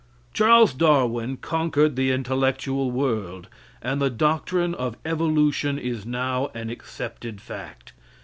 Charles Darwin conquered the intellectual world, and the doctrine of evolution is now an accepted fact.